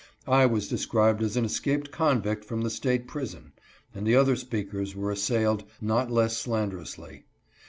I was described as an escaped convict from the State prison, and the other speakers were assailed not less slanderously.